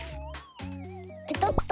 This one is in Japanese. ペトッと。